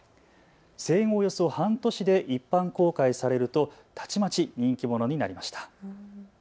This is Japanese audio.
生後およそ半年で一般公開されるとたちまち人気者になりました。